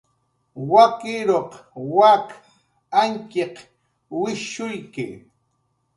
Wakiruq wak Añtxiq wishshuyki.